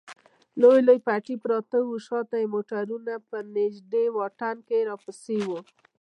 لوی لوی پټي پراته و، شا ته موټرونه په نږدې واټن کې راپسې و.